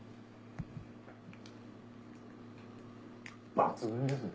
抜群ですね。